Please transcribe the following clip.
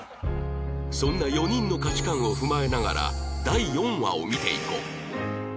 そんな４人の価値観を踏まえながら第４話を見ていこう